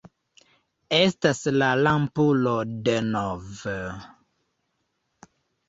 Estas la lampulo denove...